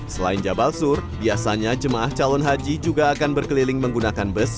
selain jabal sur biasanya jemaah calon haji juga akan berkeliling menggunakan bus